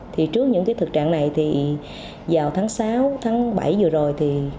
thì trước những thực trạng này vào tháng sáu bảy vừa rồi